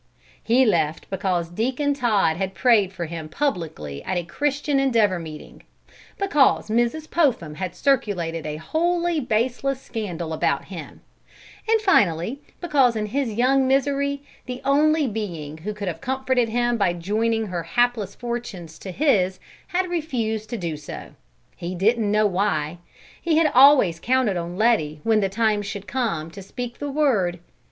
He left because Deacon Todd had prayed for him publicly at a Christian Endeavor meeting; because Mrs. Popham had circulated a wholly baseless scandal about him; and finally because in his young misery the only being who could have comforted him by joining her hapless fortunes to his had refused to do so. He didn't know why. He had always counted on Letty when the time should come to speak the word.